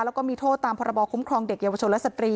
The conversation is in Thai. แล้วก็มีโทษตามพรบคุ้มครองเด็กเยาวชนและสตรี